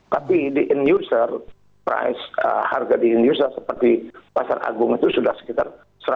tapi di end user price harga di industri seperti pasar agung itu sudah sekitar seratus